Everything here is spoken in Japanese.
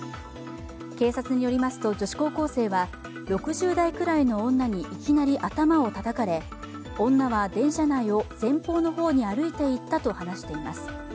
警察によりますと、女子高校生は６０代くらいの女に、いきなり頭をたたかれ、女は電車内を前方の方に歩いて行ったと話しています。